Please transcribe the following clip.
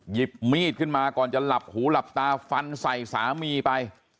หยิบมีดขึ้นมาก่อนจะหลับหูหลับตาฟันใส่สามีไป